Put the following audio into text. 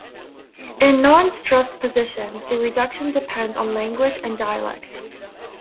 In non-stressed positions the reduction depends on language and dialect.